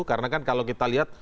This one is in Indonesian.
karena kan kalau kita lihat